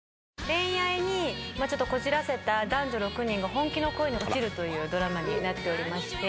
恋愛こじらせた男女６人が本気の恋に落ちるというドラマになっておりまして。